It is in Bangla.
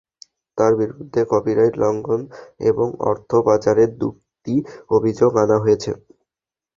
তাঁর বিরুদ্ধে কপিরাইট লঙ্ঘন এবং অর্থ পাচারের দুটি অভিযোগ আনা হয়েছে।